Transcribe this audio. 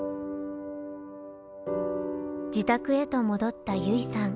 自宅へと戻った優生さん。